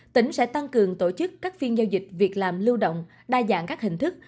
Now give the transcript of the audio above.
tỉnh sẽ tăng cường tổ chức các phiên giao dịch việc làm lưu động đa dạng các hình thức